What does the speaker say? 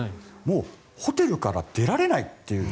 ホテルから出られないという。